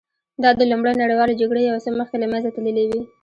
دا د لومړۍ نړیوالې جګړې یو څه مخکې له منځه تللې وې